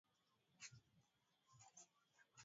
Mzazi amemchapa mtoto wake.